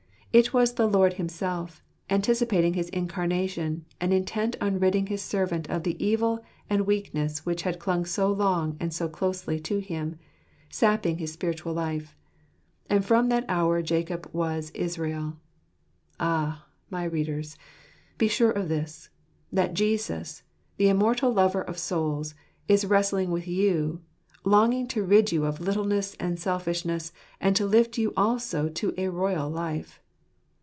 It was the Lord Himself, anticipating his incarnation, and intent on ridding his servant of the evil and weakness which had clung so long and so closely to him, sapping his spiritual life. And from that hour Jacob was " Israel." Ah, my readers, be sure of this, that Jesus, the immortal lover of souls, is wrestling with you, longing to rid you of littleness and selfishness, and to lift you also to a royal life.